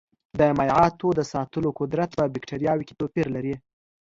د مایعاتو د ساتلو قدرت په بکټریاوو کې توپیر لري.